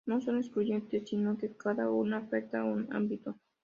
No son excluyentes, si no que cada una afecta a un ámbito.